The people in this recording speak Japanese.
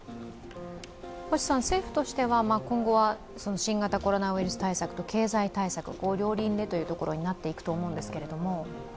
星さん、政府としては今後は新型コロナウイルス対策と経済対策、両輪でということになっていくと思うんですけれども。